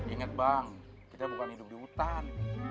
ingat bang kita bukan hidup di hutan